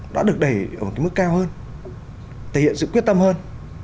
đã được đẩy ở một cái mức cao hơn thể hiện sự quyết tâm hơn